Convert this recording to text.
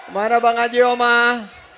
mana bang haji omah